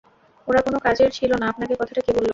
ওরা কোনো কাজের ছিলো না আপনাকে কথাটা কে বললো?